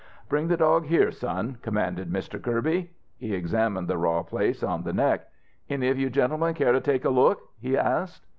"Bring the dog here, son!" commanded Mr. Kirby. He examined the raw place on the neck. "Any of you gentlemen care to take a look?" he asked.